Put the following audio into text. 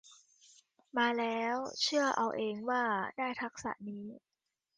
มาแล้วเชื่อเอาเองว่าได้ทักษะนี้